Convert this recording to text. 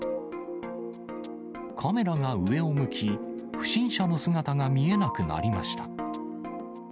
カメラが上を向き、不審者の姿が見えなくなりました。